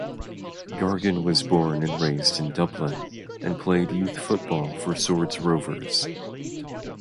Gargan was born and raised in Dublin and played youth football for Swords Rovers.